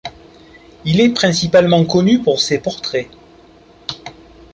Il est principalement connu pour ses portraits.